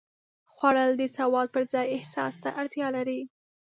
خوړل د سواد پر ځای احساس ته اړتیا لري